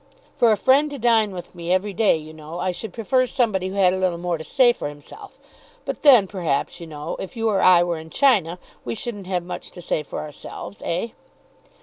"For a friend to dine with me every day, you know, I should prefer somebody who had a little more to say for himself. But then, perhaps, you know, if you or I were in China we shouldn't have much to say for ourselves; eh?"